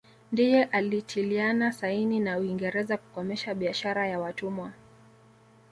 Ndiye alitiliana saini na Uingereza kukomesha biashara ya watumwa